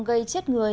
gây chết người